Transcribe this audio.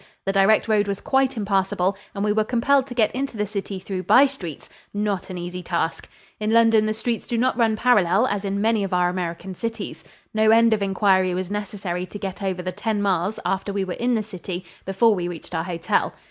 The direct road was quite impassable and we were compelled to get into the city through by streets not an easy task. In London the streets do not run parallel as in many of our American cities. No end of inquiry was necessary to get over the ten miles after we were in the city before we reached our hotel.